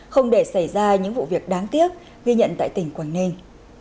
không để xảy ra những vụ việc đáng tiếc ghi nhận tại tỉnh quảng ninh